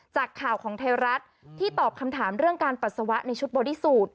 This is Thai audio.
จากข่าวของไทยรัฐที่ตอบคำถามเรื่องการปัสสาวะในชุดบอดี้สูตร